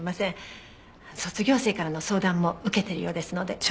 卒業生からの相談も受けているようですので。